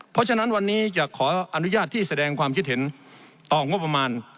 เพราะฉะนั้นวันนี้จะขออนุญาตที่แสดงความคิดเห็นต่องบประมาณ